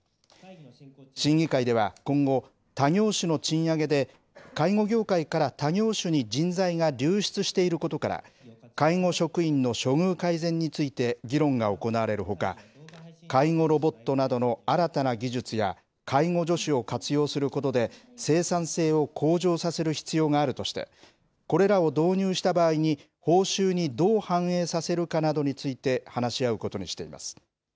審議会では今後、他業種の賃上げで介護業界から他業種に人材が流出していることから、介護職員の処遇改善について議論が行われるほか、介護ロボットなどの新たな技術や、介護助手を活用することで生産性を向上させる必要があるとして、これらを導入した場合に報酬にどう反映させるかなどについて、話し合うことにしています。